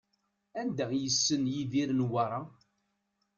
Anda i yessen Yidir Newwara?